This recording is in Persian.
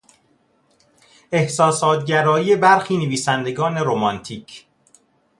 احساسات گرایی برخی نویسندگان رومانتیک